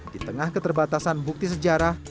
di tengah keterbatasan bukti sejarah